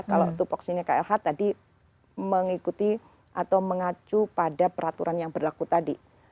kalau tupoksinya klh tadi mengikuti atau mengacu pada peraturan yang berlaku tadi